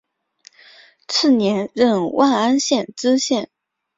次年任万安县知县。